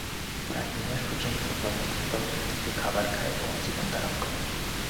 প্রায় দুই মাস পর্যন্ত বাবার তত্ত্বাবধানে থেকে খাবার খায় এবং জীবনধারণ করে।